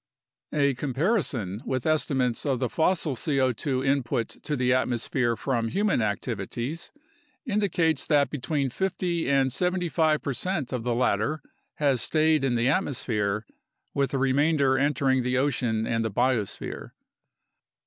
A comparison with estimates of the fossil C0 2 input to the atmosphere from human activities indicates that between 50 and 75 percent of the latter has stayed in the atmosphere, with the remainder entering the ocean and the biosphere.